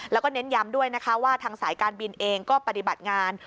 แล้วก็เน้นย้ำด้วยนะคะว่าทางสายการบินเองก็ปฏิบัติงาน